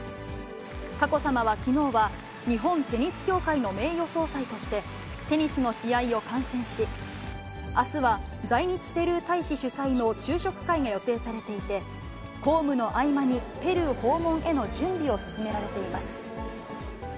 佳子さまはきのうは、日本テニス協会の名誉総裁として、テニスの試合を観戦し、あすは在日ペルー大使主催の昼食会が予定されていて、公務の合間に、ペルー訪問への準備を進められています。